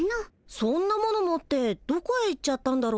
そんなもの持ってどこへ行っちゃったんだろ？